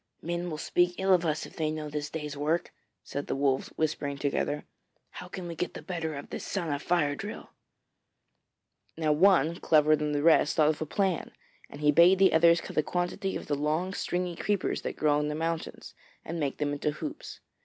'Men will speak ill of us if they know of this day's work,' said the Wolves, whispering together. 'How can we get the better of this son of Fire drill?' Now one, cleverer than the rest, thought of a plan, and he bade the others cut a quantity of the long stringy creepers that grow on the mountains, and make them into hoops.